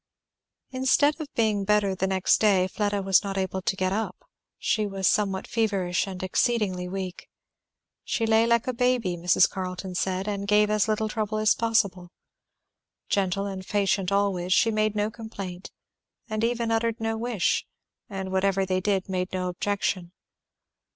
Instead of being better the next day Fleda was not able to get up; she was somewhat feverish and exceedingly weak. She lay like a baby, Mrs. Carleton said, and gave as little trouble. Gentle and patient always, she made no complaint, and even uttered no wish, and whatever they did made no objection.